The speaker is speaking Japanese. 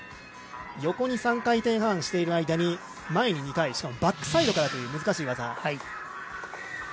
横に３回転半している間に前に２回しかもバックサイドからという難しい技。